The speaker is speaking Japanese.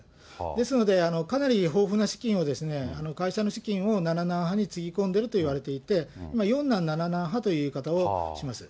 ですので、かなり豊富な資金を、会社の資金を七男派につぎ込んでると言われていて、今、四男七男派という言い方をします。